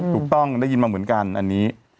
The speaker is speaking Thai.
ถูกต้องได้ยินมาเหมือนกันอันนี้